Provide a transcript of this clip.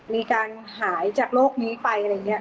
มีการหายจากโรคนี้ไปอะไรอย่างนี้